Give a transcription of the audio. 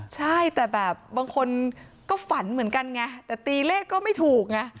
ใช่แต่แบบบางคนก็ฝันเหมือนกันไงแต่ตีเลขก็ไม่ถูกไง